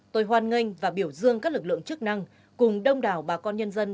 hoan nghênh và biểu dương các lực lượng chức năng cùng đông đảo bà con nhân dân